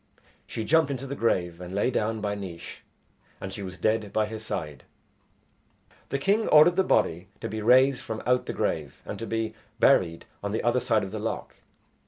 She jumped into the grave and lay down by Naois, and she was dead by his side. The king ordered the body to be raised from out the grave and to be buried on the other side of the loch.